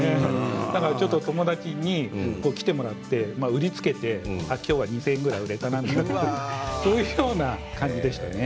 ちょっと友達に来てもらって売りつけて今日は２０００円くらい売れたなって、そういう感じでしたね。